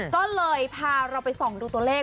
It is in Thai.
ก็เลยพาเราไปส่องดูตัวเลข